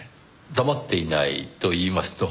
「黙っていない」といいますと？